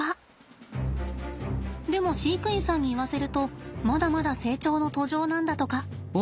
でも飼育員さんに言わせるとまだまだ成長の途上なんだとか。